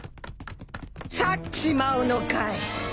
去っちまうのかい！